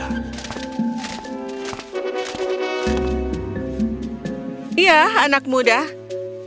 segera setelah agustus kembali ke pasar dia ditangkap dan dibawa ke ratu olivia